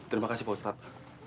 terima kasih bapak ustadz